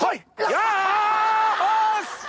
よし！